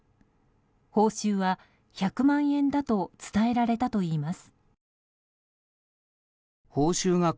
報酬は１００万円だと伝えられたといいます。